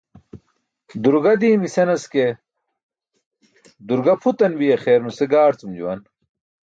Durga diimi senas ke, "durga" pʰutan biya xeer nuse gaarcum juwan.